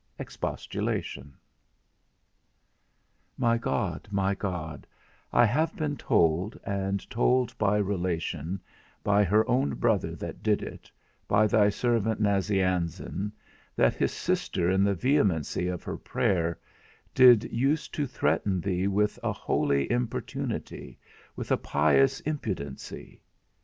X. EXPOSTULATION. My God, my God, I have been told, and told by relation, by her own brother that did it, by thy servant Nazianzen, that his sister in the vehemency of her prayer, did use to threaten thee with a holy importunity, with a pious impudency.